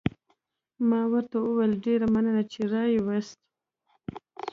ما ورته وویل: ډېره مننه، چې را يې وست.